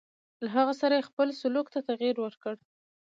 له هغه سره یې خپل سلوک ته تغیر ورکړ.